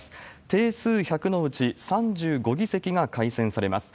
定数１００のうち、３５議席が改選されます。